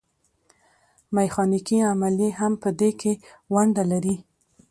میخانیکي عملیې هم په دې کې ونډه لري.